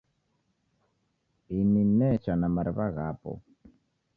Ini necha na mari'wa ghapo.